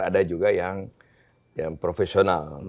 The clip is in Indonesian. ada juga yang profesional